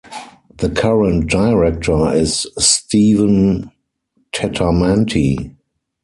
The current Director is Steven Tettamanti.